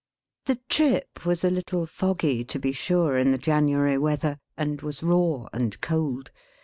The trip was a little foggy, to be sure, in the January weather; and was raw and cold.